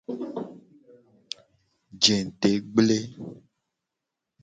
Jete gble.